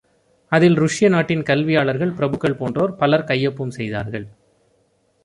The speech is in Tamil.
அதில் ருஷ்ய நாட்டின் கல்வியாளர்கள், பிரபுக்கள் போன்றோர் பலர் கையொப்பம் செய்தார்கள்.